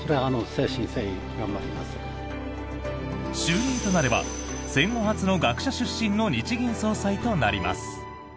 就任となれば戦後初の学者出身の日銀総裁となります。